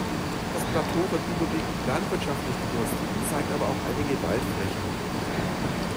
Das Plateau wird überwiegend landwirtschaftlich genutzt, zeigt aber auch einige Waldflächen.